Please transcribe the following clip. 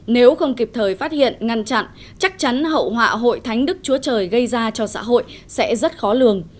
nếu không kịp thời phát hiện ngăn chặn chắc chắn hậu họa hội thánh đức chúa trời gây ra cho xã hội sẽ rất khó lường